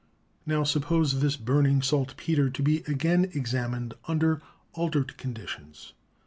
Now suppose this burning saltpeter to be again examined under altered conditions.